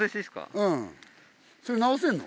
うんそれ直せんの？